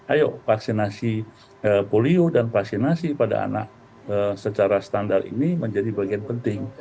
ayo vaksinasi polio dan vaksinasi pada anak secara standar ini menjadi bagian penting